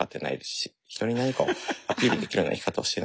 人に何かをアピールできるような生き方をしてない。